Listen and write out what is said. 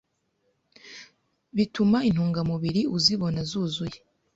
bituma intungamubiri uzibona zuzuye